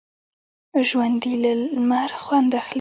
ژوندي له لمر خوند اخلي